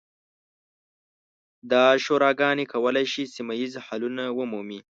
دا شوراګانې کولی شي سیمه ییز حلونه ومومي.